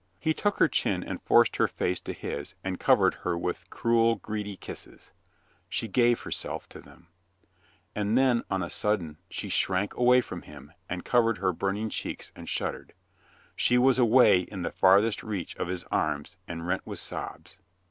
He took her chin and forced her face to his and covered her with cruel, greedy kisses ... She gave herself to them ... And then on a sudden she shrank away from him and covered her burning cheeks and shuddered ... She was away in the farthest reach of his arms and rent with sobs.